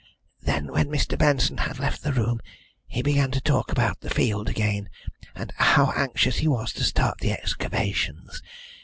Then when Mr. Benson had left the room he began to talk about the field again, and how anxious he was to start the excavations.